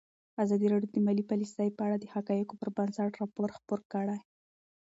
ازادي راډیو د مالي پالیسي په اړه د حقایقو پر بنسټ راپور خپور کړی.